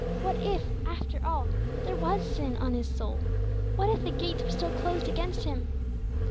What if, after all, there was sin on his soul? What if the gates were still closed against him?